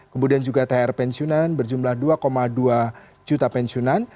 kemudian juga thr pensiunan berjumlah dua dua juta pensiunan